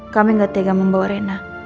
kami gak tega membawa rena